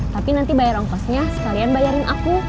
tapi nanti bayar ongkosnya sekalian bayarin aku